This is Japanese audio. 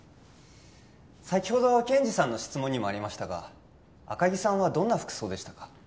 先ほど検事さんの質問にもありましたが赤木さんはどんな服装でしたか？